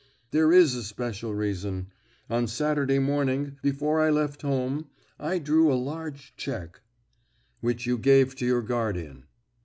"There is a special reason. On Saturday morning, before I left home, I drew a large cheque " "Which you gave to your guardian."